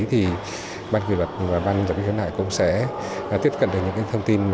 thì ban câu lạc bộ hà nội việt nam cũng sẽ tiếp cận được những thông tin